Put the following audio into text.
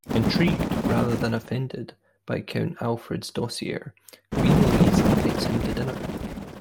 Intrigued rather than offended by Count Alfred's dossier, Queen Louise invites him to dinner.